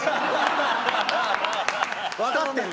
分かってんね。